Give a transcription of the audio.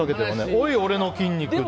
おい、俺の筋肉って。